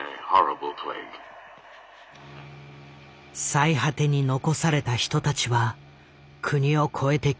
最果てに残された人たちは国を超えて協力。